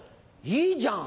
いいじゃん。